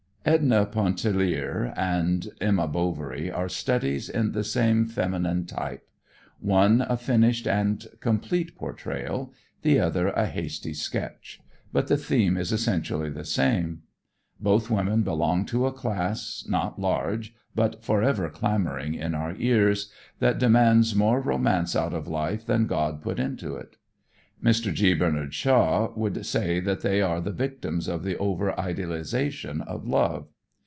"Edna Pontellier" and "Emma Bovary" are studies in the same feminine type; one a finished and complete portrayal, the other a hasty sketch, but the theme is essentially the same. Both women belong to a class, not large, but forever clamoring in our ears, that demands more romance out of life than God put into it. Mr. G. Barnard Shaw would say that they are the victims of the over idealization of love.